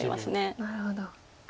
なるほど。